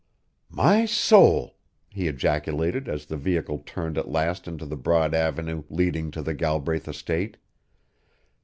"My soul!" he ejaculated as the vehicle turned at last into the broad avenue leading to the Galbraith estate.